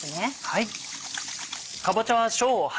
はい。